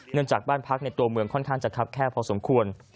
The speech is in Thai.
จากบ้านพักในตัวเมืองค่อนข้างจะคับแคบพอสมควร